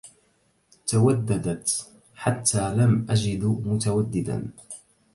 توددت حتى لم أجد متوددا